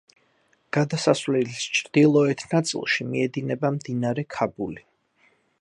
გადასასვლელის ჩრდილოეთ ნაწილში მიედინება მდინარე ქაბული.